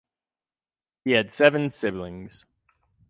He had seven siblings.